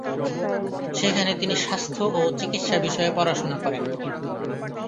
সেখানে তিনি স্বাস্থ্য ও চিকিৎসা বিষয়ে পড়াশোনা করেন।